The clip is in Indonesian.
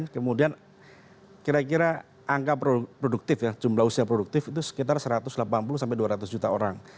kemudian kira kira angka produktif ya jumlah usia produktif itu sekitar satu ratus delapan puluh sampai dua ratus juta orang